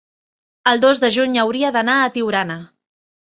el dos de juny hauria d'anar a Tiurana.